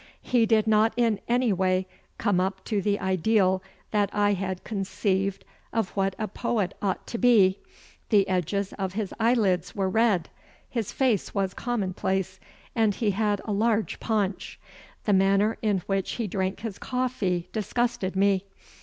He did not in any way come up to the ideal that I had conceived of what a poet ought to be. The edges of his eyelids were red, his face was commonplace, and he had a large paunch. The manner in which he drank his coffee disgusted me.